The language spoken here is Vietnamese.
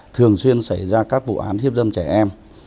thường xuyên xảy ra các vụ án hiếp dâm trẻ em